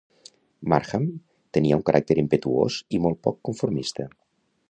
Markham tenia un caràcter impetuós i molt poc conformista.